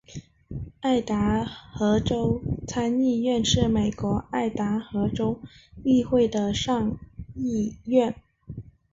爱达荷州参议院是美国爱达荷州议会的上议院。